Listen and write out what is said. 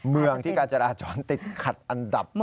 เมืองที่การจราจรติดขัดอันดับ